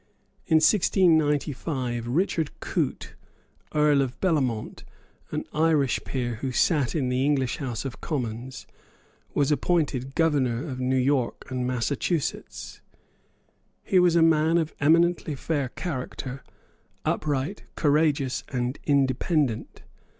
In 1695 Richard Coote, Earl of Bellamont, an Irish peer who sate in the English House of Commons, was appointed Governor of New York and Massachusets. He was a man of eminently fair character, upright, courageous and independent.